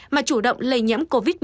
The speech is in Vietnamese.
mà chủ động lây nhém covid một mươi chín